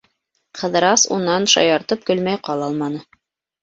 Ҡыҙырас унан шаяртып көлмәй ҡала алманы: